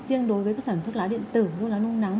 tiếng đối với thuốc lá điện tử thuốc lá nung nóng